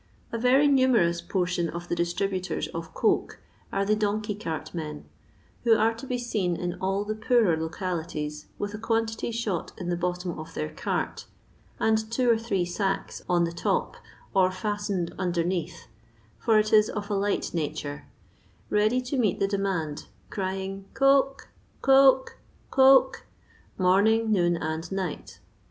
A very niuneroui portion of the diitributon of coke are the donkey cart men, who are to be leen in all the poorer localities with a quantity shot in the bottom of their cart, and two or three sacks on the top or fastened nndemeath — for it is of a light nature — ready to meet the demand, crying Coke ! coke ! coke !" morning, noon, and night.